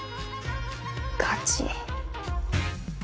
ガチ？